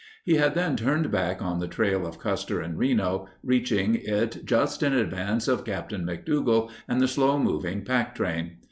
He had then turned back on the trail of Custer and Reno, reaching it just in advance of Captain McDougall and the slow moving pack train.